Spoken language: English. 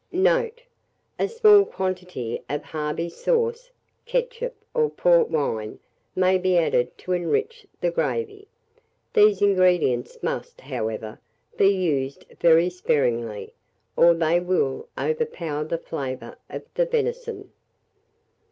Note. A small quantity of Harvey's sauce, ketchup, or port wine, may be added to enrich the gravy: these ingredients must, however, be used very sparingly, or they will overpower the flavour of the venison.